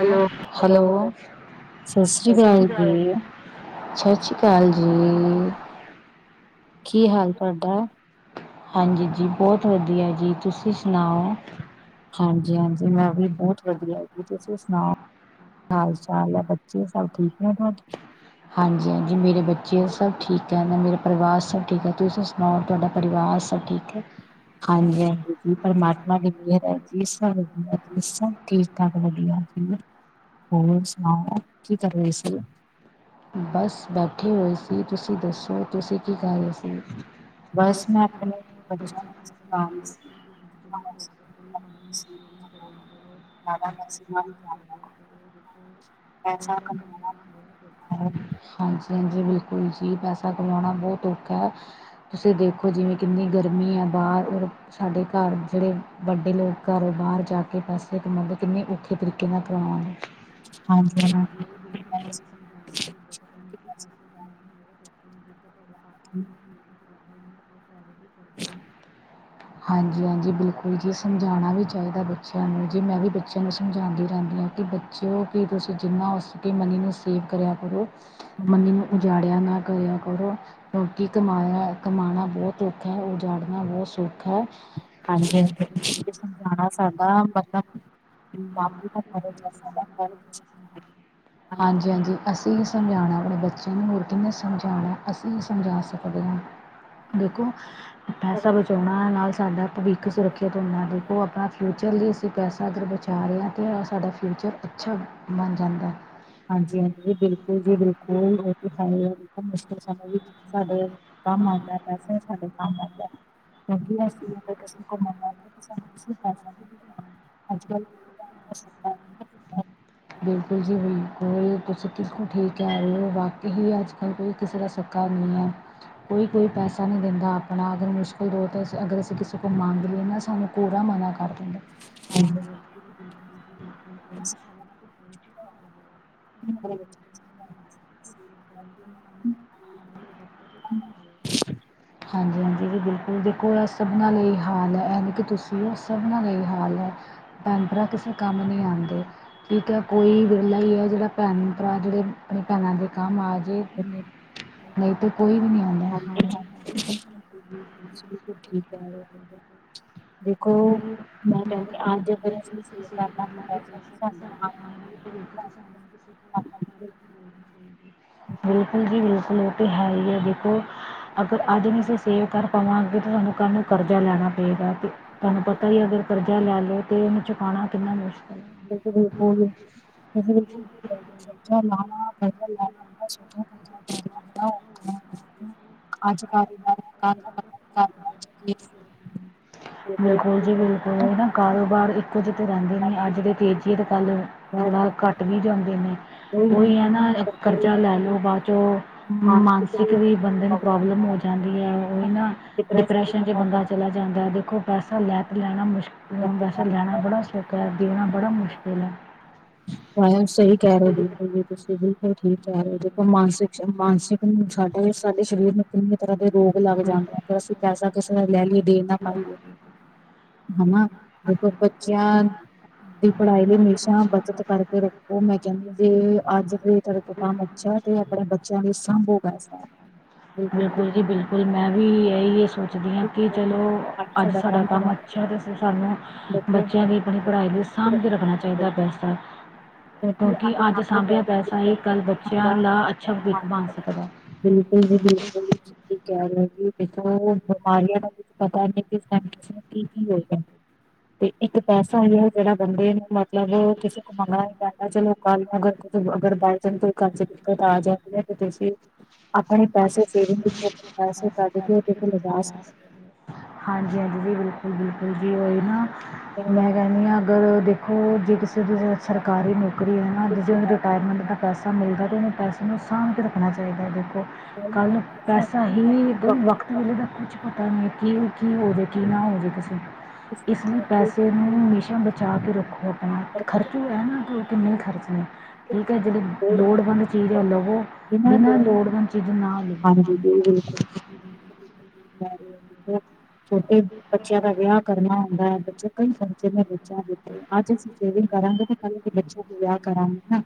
Hello, hello, ਸਸ੍ਰੀ ਕਾਲ, ਛੱਛ ਕਾਲ ਜੀ। [unintelligible] ਹਾਂਜੀ ਜੀ, ਬੋਤ ਵਦੀਆ ਜੀ, ਤੂਸੀ ਸੁਨਾਓ? ਹਾਂਜੀ-ਹਾਂਜੀ, ਮੈਂ ਵੀ ਬੋਤ ਵਦੀਆ ਐਗੀ, ਤੂਸੀ ਸੁਨਾਓ? ਹਾਲ-ਚਾਲ ਐ, ਬੱਚੇ ਸਬ ਠੀਕ ਨੇ ਤੁਆਡੇ? ਹਾਂਜੀ-ਹਾਂਜੀ, ਮੇਰੇ ਬੱਚੇ, ਸਬ ਠੀਕ ਐ, ਨਾ ਮੇਰਾ ਪਰਿਵਾਰ ਸਬ ਠੀਕ ਐ, ਤੂਸੀ ਸੁਨਾਓ ਤੂਆਡਾ ਪਰਿਵਾਰ, ਸਬ ਠੀਕ ਐ? ਹਾਂਜੀ-ਹਾਂਜੀ ਜੀ, ਪਰਮਾਤਮਾ ਦੀ ਮੇਅਰ ਐ ਜੀ, ਸਬ ਵਦੀਆ ਜੀ, ਸਬ ਠੀਕ-ਠਾਕ ਵਦੀਆ। ਹੋਰ ਸੁਣਾਓ ਕੀ ਕਰ ਰਹੇ ਸੀ? ਬਸ ਬੈਠੇ ਹੋਏ ਸੀ। ਤੁਸੀਂ ਦੱਸੋ, ਤੁਸੀਂ ਕੀ ਕਰ ਰਏ ਸੀ? ਬਸ ਮੈਂ ਆਪਣੇ ਬੱਚਿਆਂ ਨੂੰ ਸਮਝਾ ਰਈ ਸੀ ਕਿ [unintelligible] [unintelligible] [inaudible] ਹਾਂਜੀ ਹਾਂਜੀ ਬਿਲਕੁਲ ਜੀ, ਪੈਸਾ ਕਮਾਨਾ ਬੋਤ ਔਖਾ ਐ। ਤੁਸੀ ਦੇਖੋ ਜਿਵੇ ਕਿਨੀ ਗਰਮੀ ਐ ਬਾਹਰ ਔਰ ਸਾਡੇ ਘਰ ਜਿਹੜੇ ਵੱਡੇ ਲੋਕ ਘਰੋਂ ਬਾਹਰ ਜਾ ਕੇ ਪੈਸੇ ਕਮਾਉਂਦੇ ਕਿਨੀ ਔਖ ਔਖੀ ਤਰੀਕੇ ਨਾਲ ਕਮਾ ਰੇ ਹਾਂਜੀ [inaudible] [inaudible] ਹਾਂਜੀ ਹਾਂਜੀ ਬਿਲਕੁਲ ਜੀ ਸਮਝਾਣਾ ਵੀ ਚਾਈਦਾ ਐ ਬੱਚੇਆਂ ਨੂੰ ਜੀ। ਮੈਂ ਵੀ ਬੱਚੇਆਂ ਨੂੰ ਸਮਝਾਂਦੀ ਰੈਂਨੀ ਆ ਕਿ ਬ ਬੱਚੇਓ, ਕਿ ਤੁਸੀ ਜਿੰਨਾ ਹੋ ਸਕੇ ਮਨੀ ਨੂੰ ਸੇਵ ਕਰੇਆ ਕਰੋ। ਮਨੀ ਨੂੰ ਉਜਾੜੇਆ ਨਾ ਕਰੇਆ ਕਰੋ। ਕਿਉਂਕਿ ਕਮਾਇਆ ਕਮਾਨਾ ਬੋਤ ਔਖਾ ਐ, ਉਜਾੜਨਾ ਬਹੁਤ ਸੌਖਾ ਐ। ਹਾਂਜੀ ਹਾਂਜੀ ਭੈਣਜੀ। [unintelligible] [inaudible] ਹਾਂਜੀ ਹਾਂਜੀ। ਅਸੀ ਈ ਸਮਝਾਣਾ ਅਪਨੇ ਬੱਚੇਆਂ ਨੂੰ ਹੋਰ ਕਿਨੇ ਸਮਝਾਨਾ ਐ, ਅਸੀਂ ਈ ਸਮਝਾ ਸਕਦੇ ਆ। ਦੇਖੋ ਪੈਸਾ ਬਚਾਉਨਾ ਨਾਲ ਸਾਡਾ ਭਵਿੱਖ ਸੁਰੱਖਇਤ ਹੁੰਦਾ ਦੇਖੋ ਅਪਨਾ ਫਿਉ ਚਰ ਲਈ ਅਸੀਂ ਪੈਸਾ ਅਗਰ ਬਚਾ ਰਏ ਆ ਤਾਂ ਸਾਡਾ ਫਿਊਚਰ ਅੱਛਾ ਬਨ ਜਾਂਦਾ। ਹਾਂਜੀ ਹਾਂਜੀ ਬਿਲਕੁਲ ਜੀ ਬਿਲਕੁਲ। ੳਵੀ ਸਹੀ ਗਲ ਮੁਸ਼ਕਿਲ ਸਮੇਂ ਵਿੱਚ ਸਾਡੇ ਕੰਮ ਆਂਦਾ ਪੈਸਾ ਈ ਸਾਡੇ ਕੰਮ ਆਂਦਾ। ਵਧੀਆ ਸੀ [unintelligible] [unintelligible] ਬਿਲਕੁਲ ਜੀ ਬਿਲਕੁਲ। ਤੁਸੀਂ ਠੀਕ ਕੈ ਰਹੇ ਹੋ ਵਾਕੇ ਹੀ ਅੱਜ ਕੱਲ੍ਹ ਦੇ ਕਿਸੇ ਦਾ ਸੱਕਾ ਨਹੀਂ ਆ ਕੋਈ- ਕੋਈ ਪੈਸਾ ਨਹੀਂ ਦਿੰਦਾ ਆਪਣਾ ਅਗਰ ਮੁਸ਼ਕਿਲ ਦੋਰ ਤਾਂ ਅਗਰ ਅਸੀਂ ਕਿਸੇ ਕੋਲ ਮੰਗਦੇ ਲਈਏ ਨਾ ਸਾਨੂੰ ਪੂਰਾ ਮਨਾ ਕਰ ਦਿੰਦੇ। [unintelligible] ਹੂ ਹਾਂਜੀ ਹਾਂਜੀ ਜੀ। ਬਿਲਕੁਲ ਦੇਖੋ ਇਹ ਸਭਨਾਂ ਲਈ ਹਾਲ ਹੈ। ਐਨ ਕਿ ਤੁਸੀਂ ਹੋ ਸਭਨਾਂ ਲਈ ਹਾਲ ਹੈ। ਭੈਣ ਭਰਾ ਕਿਸੇ ਕੰਮ ਨੀ ਆਂਦੇ। ਠੀਕ ਹੈ, ਕੋਈ ਵਿਰਲਾ ਹੀ ਹੈ ਜਿਹੜਾ ਭੈਣ ਭਰਾ ਜਿਹੜੇ ਆਪਣੀ ਭੈਣਾਂ ਦੇ ਕੰਮ ਆ ਜੇ। ਨਈ ਤੇ ਕੋਈ ਵੀ ਨੀ ਆਂਦਾ ਹਾਂਜੀ। ਠੀਕ ਠਾਕ [inaudible] ਬਿਲਕੁਲ [unintelligible] [unintelligible] ਬਿਲਕੁਲ ਜੀ ਬਿਲਕੁਲ ਉ 'ਤੇ ਹੈ ਈ ਏ ਦੇਖੋ ਅਗਰ ਆਦਮੀ ਸੇਵ ਕਰ ਪਾਵਾਂਗੇ, ਤਾਂ ਤੁਹਾਨੂੰ ਕਾਨੂੰ ਕਰਜ਼ਾ ਲੈਣਾ ਪਏਗਾ। ਤੁਹਾਨੂੰ ਪਤਾ ਹੀ ਅਗਰ ਕਰਜ਼ਾ ਲੈ ਲੋ ਤੇ ਉਨੂੰ ਚੁਕਾਨਾ ਕਿੰਨਾ ਮੁਸ਼ਕਿਲ ਐ। ਬਿਲ ਬਿਲਕੁਲ ਤੁ ਬਿਲਕੁਲ [unintelligible] [unintelligible] ਅਜ [unintelligible] ਬਿਲਕੁਲ ਜੀ ਬਿਲਕੁਲ, ਏ ਨਾ ਕਾਰੋਬਾਰ ਏ ਕੁਝ ਤਾਂ ਰੈਂਦੇ ਨੀ ਅੱਜ ਦੇ ਤੇਜ਼ ਏ ਤਾਂ ਕੱਲ, ਥੋੜਾ ਘੱਟ ਵੀ ਜਾਂਦੇ ਨ। ਉਹੀ ਹੈ ਨਾ ਕਰਜ਼ਾ ਲੈ ਲੋ ਬਾਦ ਚੋਂ। ਮਾਨਸਿਕ ਵੀ ਬੰਦੇ ਨੂੰ ਪ੍ਰੋਬਲਮ ਹੋ ਜਾਂਦੀ ਐ, ਉਈ ਨਾ ਡਿਪਰੈਸ਼ਨ ਜੇ ਬੰਦਾ ਚਲਾ ਜਾਂਦਾ ਦੇਖੋ ਪੈਸਾ ਲੈ ਤਾਂ ਲੈਣਾ ਮੁਸ਼ਕਿਲ ਪੈਸਾ ਲੈਣਾ ਬੜਾ ਸੌਖ ਕਰ ਦੇਣਾ ਬੜਾ ਮੁਸ਼ਕਿਲ ਐ। ਸਈ ਕੈ ਰੇ ੳ ਬਿਲਕੁਲ ਵੀ ਤੁਸੀਂ ਬਿਲਕੁਲ ਠੀਕ ਕੈ ਰੇ ੳ ਦੇਖੋ ਮਾਨਸਿਕ- ਮਾਨਸਿਕ ਨੂੰ ਸਾਡਾ ਸਾਡੇ ਸਰੀਰ ਨੂੰ ਕਿੰਨੇ ਤਰ੍ਹਾਂ ਦੇ ਰੋਗ ਲੱਗ ਜਾਂਦੇ ਐ। ਅਸੀਂ ਪੈਸਾ ਕਿਸੇ ਦਾ ਲੈ ਲਈਏ, ਦੇ ਨਾ ਪਾਈਏ ਹਨਾ। ਭਣਾ ਭ [unintelligible] ਕਰਕੇ ਰੱਖੋ ਮੈਂ ਕਹਿੰਦੀ ਜੇ ਅੱਜ ਦੇ ਕੋ ਕੰਮ ਅੱਛਾ 'ਤੇ ਆਪਣੇ ਬੱਚਿਆਂ ਲਈ ਸਾਂਭੋ ਘਰ ਅੱਛਾ ਬਿਲਕੁਲ ਜੀ ਬਿਲਕੁਲ। ਜੀ ਬਿਲਕੁਲ ਮੈਂ ਵੀ ਐਹੀ ਸੋਚਦੀ ਹਾਂ ਕਿ ਚਲੋ ਅੱਜ ਸਾਡਾ ਕੰਮ ਅੱਛਾ ਤੇ ਫਿਰ ਸਾਨੂੰ ਬੱਚਿਆਂ ਦੀ ਆਪਣੀ ਪੜ੍ਹਾਈ ਲਈ ਸਾਂਭ ਕੇ ਰੱਖਣਾ ਚਾਹੀਦਾ ਪੈਸਾ। ਕਿਉਂਕਿ ਅੱਜ ਸਾਂਭਿਆ ਪੈਸਾ ਹੀ ਕੱਲ੍ਹ ਬੱਚਿਆਂ ਦਾ ਅੱਛਾ ਭਵਿੱਖ ਬਣ ਸਕਦਾ ਹੈ। ਬਿਲਕੁਲ ਜੀ ਬਿਲਕੁਲ ਤੁਸੀਂ ਠੀਕ ਕਹਿ ਰਹੇ ਹੋ ਜੀ। ਦੇਖੋ ਬਿਮਾਰੀਆਂ ਦਾ ਕੁਛ ਪਤਾ ਨੀ ਕਿ ਸਾਨੂੰ ਕੀ ਕੀ ਹੋ ਜਾਏ। 'ਤੇ ਇੱਕ ਪੈਸਾ ਹੀ ਐ ਜੇੜਾ ਬੰਦੇ ਨੂੰ ਮਤਲਬ ਕਿਸੇ ਕੋ ਮਗਣਾ ਪਹਿਲਾਂ ਚ ਲੋਕਾਂ ਨੂੰ ਅਗਰ ਅਗਰ ਬਾਈ ਚਾਂਸ ਕੋਈ ਘਰ ਦਿੱਕਤ ਆ ਜਾਂਦੀ ਤੇ ਤੁਸੀਂ। ਆਪਣੇ ਪੈਸੇੇ ਸੇਵਿੰਗ ਵਿੱਚ ਆਪ ਪੈਸੇ ਕੱਡ ਕੇ ਉ ਲਗਾ ਸ ਹਾਂਜੀ-ਹਾਂਜੀ ਜੀ ਬਿਲਕੁਲ-ਬਿਲਕੁਲ ਜੀ ਉਈ ਨਾ ਮੈਂ ਕੈਨੀ ਆਂ ਅਗਰ ਦੇਖੋ ਜਿਸ [unintelligible] ਸਰਕਾਰੀ ਨੌਕਰੀ ਹੈ ਨਾ ਜਿਸ ਦਿਨ ਉਹਨੂੰ ਰਿਟਾਇਰਮੈਂਟ ਦਾ ਪੈਸਾ ਮਿਲਦਾ ਤਾਂ ਉਹਨੂੰ ਪੈਸੇ ਉਹਨੂੰ ਸਾਂਭ ਕੇ ਰੱਖਣਾ ਚਾਹੀਦਾ ਹੈ, ਦੇਖੋ ਕੱਲ ਨੂੰ ਪੈਸਾ ਹੀ, ਵਕਖ ਵੇਲੇ ਦਾ ਕੁਛ ਪਤਾ ਨੀ ਕੀ-ਕੀ ਹੋ ਜੇ ਕੀ ਨਾ ਹੋ ਜੇ ਤੁਸੀਂ ਇਸ ਲਈ ਪੈਸੇ ਨੂੰ ਹਮੇਸ਼ਾ ਬਚਾ ਕੇ ਰੱਖੋ ਅਪਨਾ, ਖਰਚੋ ਐ ਨਾ ਕੋ ਕਿੰਨੇ ਖਰਚ ਐ। ਠੀਕ ਐ ਜੇੜੀ ਲੋੜਵੰਦ ਚੀਜ ਐ ੳ ਲਵੋ ਬਿਨਾਂ ਲੋੜਵੰਦ ਨਾ ਲਓ। ਹਾਂਜੀ। ਛੋਟੇ ਬੱਚੇਆਂ ਦਾ ਵਿਆਹ ਕਰਨਾ ਹੁੰਦਾ ਐ ਬੱਚੇ ਕਈ ਖਰਚੇ ਨੇ ਦ ਅੱਜ ਅਸੀ ਸੇਵਿੰਗ ਕਰਾਂਗੇ ਤੇ ਕੱਲ ਨੂੰ ਬੱਚੇਆਂ ਦੇ ਵਿਆਹ ਕਰਾਂਗੇ ਨਾ।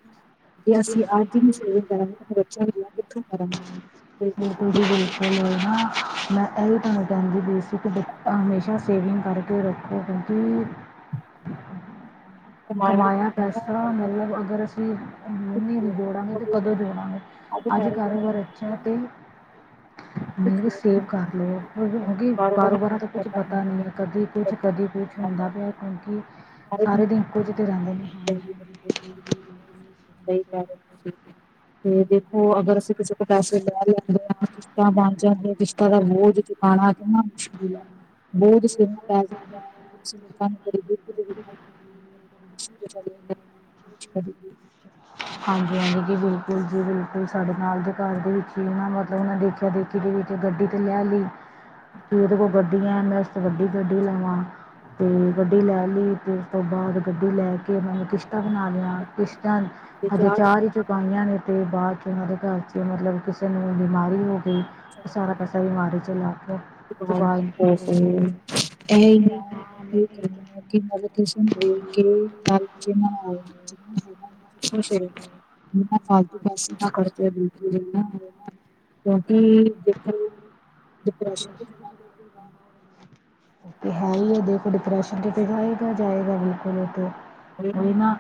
ਜੇ ਅਸੀ ਅੱਜ ਈ ਨੀ ਸੇਵ ਕਰਾਂਗੇ ਤਾਂ ਬੱਚੇਆ ਦੇ ਵਿਆਹ ਕਿੱਥੋਂ ਕਰਾਂਗੇ। ਦੇਖੋ ਜੀ ਜੀ ਬੋਲੋ ਲੋ ਨਾ ਮੈਂ ਏਹੀ ਤਾਨੂੰ ਕੈਂਦੀ ਪਈ ਸੀ ਕਿ ਬੀ ਹਮੇਸ਼ਾ ਸੇਵਿੰਗ ਕਰਕੇ ਰੱਖ [unintelligible] ਕਮਾਏਆ ਪੈਸਾ ਮਤਲਬ ਅਗਰ ਅਸੀ ਹੁਨ ਨਈ ਜੋੜਾਂਗੇ ਤੇ ਕਦੋਂ ਜੋੜਾਂਗੇ। ਅਜ ਕਾਰੋਬਾਰ ਏ ਤੇ ਮਤਲਬ ਕਿ ਸੇਵ ਕਰ ਲਓ ਕਿਉਕਿ ਬਾਰੋਂ ਬਾਰਾਂ ਕੁਛ ਪਤਾ ਨਈ ਏ। ਕਦੀ ਕੁਛ ਕਦੀ ਕੁਛ ਹੁੰਦਾ ਪੇਆ, ਕਿਉਂਕਿ ਸਾਰੇ ਦਿਨ ਕੁਝ ਤੇ ਜਾਂਦੇ ਨੇ ਸਹੀ ਕੈ ਰਏ ੳ। ਤੇ ਦੇਖੋ ਅਗਰ ਅਸੀ ਕਿਸੇ ਤੋਂ ਪੈਸੇ ਲੈ ਰਏ ਆਂ ਕਿਸ਼ਤਾਂ ਬਨ ਜਾਂਦੀ ਆ, ਕਿਸ਼ਤਾਂ ਦਾ ਬੋਝ ਆਨਾ ਕਿਨਾ ਮੁਸ਼ਕਿਲ ਐ, ਬੋਝ ਸਿਰ ਤੇ ਪੈ ਜਾਂਦਾ ਐ। [unintelligible] ਹਾਂਜੀ ਹਾਂਜੀ ਜੀ ਬਿਲਕੁਲ, ਜੀ ਬਿਲਕੁਲ। ਸਾਡੇ ਨਾਲ ਦੇ ਘਰ ਦੇ ਵਿੱਚ ਈ ਨਾ ਮਤਲਬ ੳਨਾ ਦੇਖਆ ਦੇਖ ਦੇ ਵਿੱਚ ਗੱਡੀ ਤੇ ਲੈ ਲਈ ਕਿ ੳਦੇ ਕੋਲ ਗੱਡੀ ਐ, ਮੈਂ ਉਸ ਤੋ ਵੱਡੀ ਗੱਡੀ ਲਵਾਂ ਤੇ ਗੱਡੀ ਲੈ ਲਈ ਤੇ ੳਸ ਤੋਂ ਬਾਦ ਗੱਡੀ ਲੈ ਕੇ ੳਨਾ ਨੇ ਕਿਸ਼ਤਾਂ ਬਨਾ ਲਿਆਂ, ਕਿਸ਼ਤਾਂ ਹਜੇ ਚਾਰ ਹੀ ਚੁਕਾਈਆਂ ਨੇ ਤੇ ਬਾਦ ਚ ਉਨਾਂ ਦੇ ਘਰ ਚ ਮਤਲਬ ਕਿਸੇ ਨੂੰ ਬਿਮਾਰੀ ਹੋ ਗਈ। ਉਹ ਸਾਰਾ ਪੈਸਾ ਬਿਮਾਰੀ ਚ ਲਾ ਤਾਂ ਚੁਕਾ ਇ ਇਹੀਓ ਨਾ ਮੈਂ ਇਓ ਕਹਿੰਦੀ ਹਾ ਕਿ ਮਤਲਬ ਕਿਸੀ ਨੂੰ ਵੇਖ ਕੇ ਜਿੰਨਾ, ਜਿੰਨਾ ਹੈਗਾ ਫਿਰ [unintelligible] ਮੈ ਨਾ ਫਾਲਤੂ ਪੈਸੇ ਨਾ ਖਰਚਦੇ ਵੇਖਦੀ ਆ ਨਾ ਕਿ ਦੇਖਨ ਲਈ ਡਿਪਰੈਸ਼ਨ ਦੇ ਹੈ ਹੀ ਏ ਦੇਖੋ ਡਿਪਰੈਸ਼ਨ ਤੇ ਜਾਏਗਾ- ਜਾਏਗਾ ਬਿਲਕੁਲ ਉੱਥੇ ਕੋਈ ਨਾ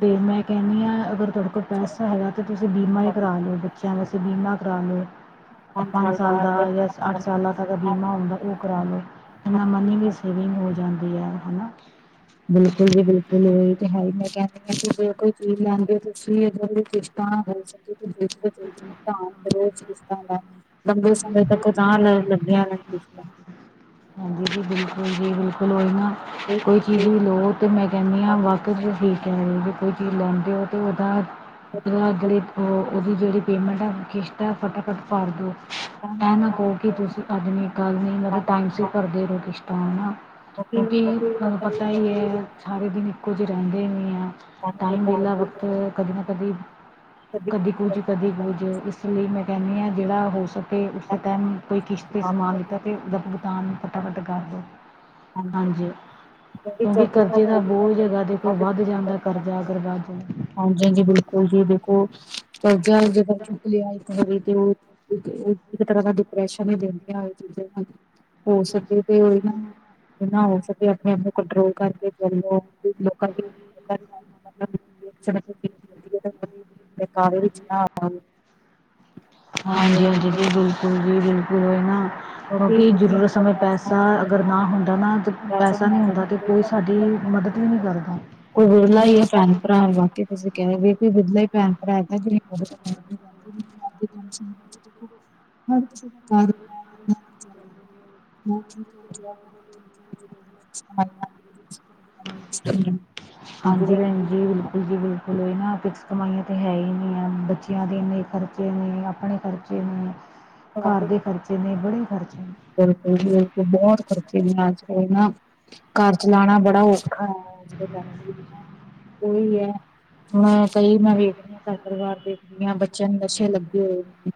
ਤੇ ਮੈਂ ਕਹਿੰਦੀ ਹਾਂ ਅਗਰ ਤੁਹਾਡੇ ਕੋਲ ਪੈਸਾ ਹੈਗਾ ਤਾਂ ਤੁਸੀਂ ਬੀਮਾ ਹੀ ਕਰਾ ਲੋ ਗੇ ਕਹਿੰਦੇ ਸੀ ਬੀਮਾ ਕਰਾਨ ਨੂੰ ਪੰਜ ਸਾਲ ਦਾ ਯਾਂ ਅੱਠ ਸਾਲ ਦਾ ਬੀਮਾ ਹੁੰਦਾ ਉਹ ਕਰਾ ਲਉ ਇੰਨਾ ਮਨੀ ਵੀ ਸੇਵਿੰਗ ਹੋ ਜਾਂਦੀ ਅ ਹੈਨਾ ਬਿਲਕੁਲ ਜੀ ਬਿਲਕੁਲ ਇਹੀ ਤੇ ਹੈ ਹੀ ਮੈਂ ਕਹਿੰਦੀ ਜੇ ਕੋਈ ਚੀਜ਼ ਲੈਂਦੇ ਓ ਤੁਸੀ ਅਗਰ ਕਿਸ਼ਤਾਂ ਦੇ ਸਕਦੇ ਓ [unintelligible] ਕਿਸ਼ਤਾਂ ਦਾ ਅ, ਲੰਬੇ ਸਮੇ ਤੱਕ ਜਾਨ ਲੇਂ ਲੈਂਦਿਆ ਨੇ ਕਿਸ਼ਤਾਂ ਹਾਂਜੀ ਜੀ, ਬਿਲਕੁਲ ਜੀ ਬਿਲਕੁਲ ਓਹੀ ਨਾ ਕੋਈ ਚੀਜ ਲੌ ਤੇ ਮੈਂ ਕਹਿੰਦੀ ਹਾਂ ਵਾਕੇ ਚ ਠੀਕ ਕਹ ਰਹੇ ਓ ਜੇ ਕੋਈ ਚੀਜ਼ ਲੈਂਦੇ ਹੋ ਤੇ ਓਦਾ ਅਗਲੀ ਓਦੀ ਜੇੜੀ ਪੇਮੈਂਟ ਆ ਕਿਸ਼ਤਾਂ ਫਟਾਫਟ ਭਰ ਦੋ। ਇਹ ਨਾ ਕਹੋ ਕਿ ਤੁਸੀਂ ਅੱਜ ਨੀ ਕੱਲ ਨੀ ਮਤਲਬ ਟਾਈਮ ਸਿਰ ਭਰਦੇ ਰਹੋ ਕਿਸ਼ਤਾਂ ਹਨਾ। ਕਿਉੰਕਿ ਤੁਹਾਨੂੰ ਪਤਾ ਹੀ ਐ, ਸਾਰੇ ਦਿਨ ਇੱਕੋ ਜੇ ਰਹਿੰਦੇ ਨੀ ਆ ਟਾਈਮ, ਵੇਹਲਾ, ਵਕਤ ਕਦੀ ਨਾ ਕਦੀ ਕਦੀ ਕੁਝ ਕਦੀ ਕੁੱਝ ਇਸ ਲਈ ਮੈਂ ਕਹਿੰਦੀ ਹਾਂ ਜਿਹੜਾ ਹੋ ਸਕੇ ਅਤੇ ਉਸਦੇ ਟਾਈਮ ਕੋਈ ਕਿਸ਼ਤ 'ਤੇ ਸਮਾਨ ਲਿੱਤਾ ਅਤੇ ਉਸਦਾ ਭੁਗਤਾਨ ਫਟਾਫਟ ਕਰ ਦਿਉ। ਹਾਂਜੀ ਕਿਉਂਕਿ ਕਰਜ਼ੇ ਦਾ ਬੋਝ ਹੈਗਾ ਦੇਖੋ ਵੱਧ ਜਾਂਦਾ ਕਰਜ਼ਾ ਅਗਰ ਵੱਧ ਜਾਵੇ। ਹਾਂਜੀ- ਹਾਂਜੀ ਬਿਲਕੁਲ ਜੀ ਬਿਲਕੁਲ ਕਰਜ਼ਾ ਜਿੱਦਾਂ ਚੁੱਕ ਲਿਆ ਤੇ ਓਹ ਇਕ ਤਰਾ ਦਾ ਡਿਪਰੈਸ਼ਨ ਹੀ ਦਿੰਦੀਆਂ ਚੀਜ਼ਾਂ ਹੋ ਸਕੇ ਤੇ ਉਹੀ ਨਾ ਜਿੰਨਾ ਹੋ ਸਕੇ ਆਪਨੇ ਆਪ ਨੂੰ ਕੰਟਰੋਲ ਕਰਕੇ ਚਲੋ ਲੋਕਾਂ ਦੀ [unintelligible] ਹਕਾਵੇ ਵਿਚ ਨਾ ਆ ਪਾਵੇ, ਹਾਂਜੀ- ਹਾਂਜੀ। ਬਿਲਕੁਲ ਜੀ ਬਿਲਕੁਲ ਓਹੀ ਨਾ। ਕਿਉਂਕਿ ਜ਼ਰੂਰਤ ਸਮੇਂ ਪੈਸਾ ਅਗਰ ਨਾ ਹੁੰਦਾ ਨਾ ਪੈਸਾ ਨਹੀਂ ਹੁੰਦਾ ਤੇ ਕੋਈ ਸਾਡੀ ਮਦਦ ਵੀ ਨਹੀਂ ਕਰਦਾ। ਕੋਈ ਵੀਰਲਾ ਹੀ ਆ ਭੈਣ ਭਰਾ। ਤੁਸੀਂ ਕਹਿ ਰਹੇ ਵੀ ਕੋਈ ਵੀਰਲੇ ਹੀ ਭੈਣ ਭਰਾ [unintelligible] ਹਾਂਜੀ ਹਾਂ। [unintelligible] ਉਹ ਠੀਕ ਹੈ, ਜੋਬੇ ਠੀਕ ਹੈ ਜੋ [unintelligible] ਹਾਂਜੀ ਪੈਨ ਜੀ। ਜੀ ਬਿਲਕੁਲ ਜੀ ਬਿਲਕੁਲ ਨਾ ਫਿਕਸ ਕਮਾਈਆਂ ਤਾਂ ਹੈ ਹੀ ਨਹੀਂ ਹੈ ਬੱਚਿਆਂ ਦੇ ਇੰਨੇ ਖਰਚੇ ਨੇ ਆਪਣੇ ਖਰਚੇ ਖਰਚੇ ਨੇ, ਘਰ ਦੇ ਖਰਚੇ ਨੇ ਬੜੇ ਈ ਖਰਚੇ ਨੇ। ਬਿਲਕੁਲ ਜੀ ਬਿਲਕੁਲ ਬਹੁਤ ਖਰਚੇ ਨੇ ਅੱਜ ਕੱਲ ਨਾ ਘਰ ਚਲਾਨਾ ਬੜਾ ਔਖਾ ਹੋਜੂਗਾ ਉਹੀ ਏ ਕਈ ਮੈਂ ਕਈ ਮੈ ਵੇਖਦੀ ਆ। ਪਰਿਵਾਰ ਦੇ ਜੀਆ ਬੱਚਿਆਂ ਨੂੰ ਨਸ਼ੇ ਲੱਗੇ ਹੋਏ ਨੇ।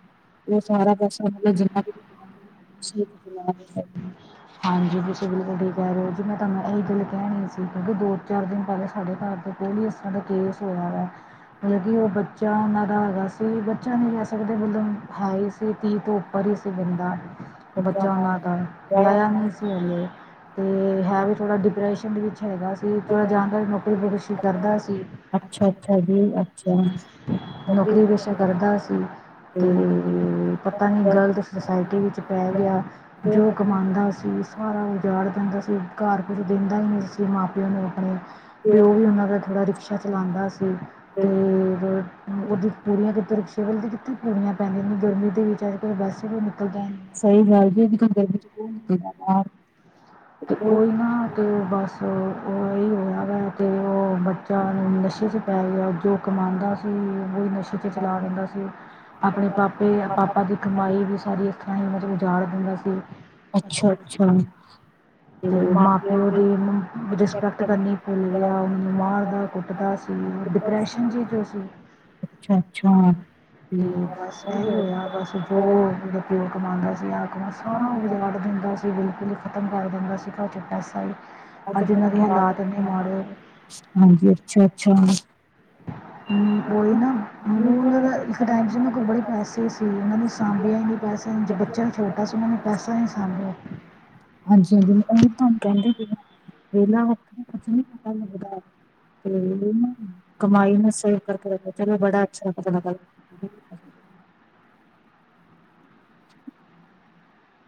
ਸਾਰਾ ਕੁਛ [inaudible] ਹਾਂਜੀ ਤੁਸੀਂ ਬਿਲਕੁਲ ਠੀ ਕਹਿ ਰਹੇ ਹੋ ਜੀ ਮੈਂ ਤੁਹਾਨੂੰ ਇਹੀ ਗੱਲ ਕਹਿਣੀ ਸੀ। ਕਿਉਂਕਿ ਦੋ ਚਾਰ ਦਿਨ ਪਹਿਲੇ ਸਾਡੇ ਘਰ ਦੇ ਪੁਲਿਸ ਸਾਡਾ ਕੇਸ ਹੋਆ ਵਾ। ਮਤਲਬ ਉਹ ਬੱਚਾ ਉਨ੍ਹਾਂ ਦਾ ਹੈਗਾ ਸੀ। ਬੱਚਾ ਨਹੀਂ ਕਹਿ ਸਕਦੇ ਮਤਲਬ ਹਾਈ ਸੀ ਤੀ ਤੋਂ ਉੱਪਰ ਹੀ ਸੀ ਬੰਦਾ ਬੱਚਾ ਉਨ੍ਹਾਂ ਦਾ ਵਿਆਹਿਆ ਨਹੀਂ ਸੀ ਹਲੇ ਤੇ ਹੈ ਵੀ ਥੋੜ੍ਹਾ ਡਿਪਰੈਸ਼ਨ ਦੇ ਵਿੱਚ ਹੈਗਾ ਸੀ। ਤੇ ਥੋੜਾ ਜਾਣਕਾਰੀ ਨੌਕਰੀ ਬਸ਼ ਕਰਦਾ ਸੀ। ਨੌਕਰੀ ਬੇਸ਼ਾ ਕਰਦਾ ਸੀ ਤੇ ਗਲਤ ਸੁਸਾਇਟੀ ਵਿੱਚ ਪੈ ਗਿਆ। ਜੋ ਕੰਮ ਪਾਉਂਦਾ ਸੀ ਸਾਰਾ ਉਜਾੜ ਦਿੰਦਾ ਸੀ। ਘਰ ਕੁਝ ਦਿੰਦਾ ਹੀ ਨਹੀਂ ਸੀ ਮਾਂ ਪਿਓ ਨੂੰ ਆਪਣੇ। ਪਿਓ ਵੀ ਉਹਨਾਂ ਦਾ ਥੋੜ੍ਹਾ ਰਿਕਸ਼ਾ ਚਲਾਉਂਦਾ ਸੀ ਤੇ ਪੂਰੀਆਂ ਕਿੱਥੋਂ ਤਾਂ ਕਿੱਥੇ ਪੂਰੀਆਂ ਪੈਂਦੀਆਂ ਨੇ ਗਰਮੀ ਦੇ ਵਿੱਚ ਅੱਜ-ਕਲ ਬੱਸ ਚ ਨਿਕਲਦਾ ਨੀ। ਸਹੀ ਗੱਲ ਜੀ ਅੱਜ- ਕਲ ਗਰਮੀ ਚ ਕੋ ਨਿਕਲਦਾ ਬਾਹਰ। ਤੇ ਉਹਈ ਨਾ ਤੇ ਬਸ [inaudible] ਤੇ ਉਹ ਬੱਚਾ ਨੂੰ ਨਸ਼ੇ ਚ ਪੈ ਗਿਆ। ਜੋ ਕਮਾਉਂਦਾ ਸੀ, ਉਹੀ ਨਸ਼ੇ ਚ ਚਲਾ ਦਿੰਦਾ ਸੀ। ਆਪਣੇ ਪਾਪੇ ਪਾਪਾ ਦੀ ਕਮਾਈ ਵੀ ਸਾਰੀ ਇਸ ਤਰ੍ਹਾਂ ਹੀ ਮਤਲਬ ਉਜਾੜ ਦਿੰਦਾ ਸੀ। ਅੱਛਾ। ਤੇ ਮਾਂ- ਪਿਓ ਦੀ ਮ ਰਿਸਪੈਕਟ ਕਰਨੀ ਭੁੱਲ ਗਿਆ ਉਹ ਮੈਨੂੰ ਮਾਰਦਾ ਕੁੱਟਦਾ ਸੀ। ਡਿਪਰੈਸ਼ਨ ਜੇ ਚ ਤੇ ਸੀ। ਅੱਛਾ- ਅੱਛਾ। ਤੇ ਬਸ ਇਹੀ ਹੋਇਆ ਬਸ ਜੋ ਉਹਦਾ ਪਿਓ ਕਮਾਉਂਦਾ ਸੀ ਆਹ ਕਮਾ ਸਾਰਾ ਉਜਾੜ ਦਿੰਦਾ ਸੀ। ਬਿਲਕੁਲ ਹੀ ਖਤਮ ਕਰ ਦਿੰਦਾ ਸੀਗਾ ਪੈਸਾ ਸਹੀ। [unintelligible] ਹਾਂਜੀ ਅੱਛਾ- ਅੱਛਾ। ਹਮ ਉਹੀ ਨਾ। ਹੁਣ ਉਹਨਾਂ ਦਾ ਉਸ ਟਾਈਮ ਚ ਉਹਨਾਂ ਕੋਲ ਬੜੇ ਪੈਸੇ ਸੀ, ਉਹਨੇ ਸਾਂਭਿਆ ਨਹੀਂ ਪੈਸਿਆਂ ਚ ਬੱਚਾ ਛੋਟਾ ਸੀ ਉਹਨਾਂ ਨੂੰ ਪੈਸਾ ਨੀ ਸਾਂਭਿਆ। ਹਾਂਜੀ ਤੁਹਾਨੂੰ ਉਹੀ ਤਾ ਕਹਿੰਦੀ ਪਈ ਆ ਵੇਲੇਆ ਕੁਝ ਨ ਪਤਾ ਲੱਗਦਾ। ਤੇ ਕਮਾਈ ਸੇਵ ਕਰਕੇ ਰੱਖੋ ਚਲੋ ਬੜਾ ਅੱਛਾ ਪ